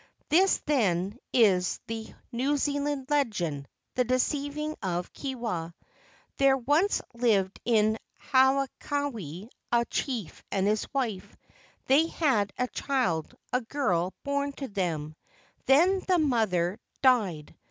This, then, is the New Zealand legend, "The Deceiving of Kewa." There once lived in Hawaiki a chief and his wife. They had a child, a girl, born to them; then the mother died.